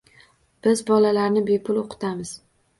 Biz bolalarni bepul o‘qitamiz.